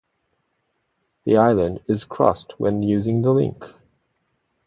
The island is crossed when using the link.